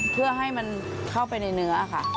เพื่อให้มันเข้าไปในเนื้อค่ะ